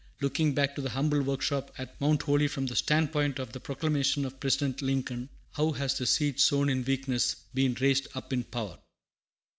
Looking back to the humble workshop at Mount Holly from the stand point of the Proclamation of President Lincoln, how has the seed sown in weakness been raised up in power!